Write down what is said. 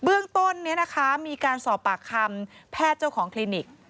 เบื้องต้นมีการสอบปากคำแพทย์เจ้าของคลินิก